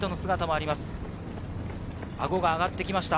あごが上がってきました。